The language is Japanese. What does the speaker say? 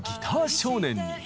少年に。